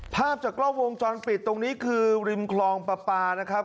ภาพจากกล้องวงจรปิดตรงนี้คือริมคลองปลาปลานะครับ